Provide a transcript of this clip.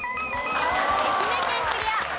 愛媛県クリア。